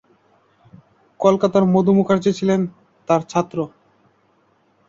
কলকাতার মধু মুখার্জি ছিলেন তার ছাত্র।